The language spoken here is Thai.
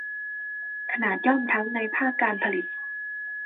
ขนาดย่อมทั้งในภาคการผลิต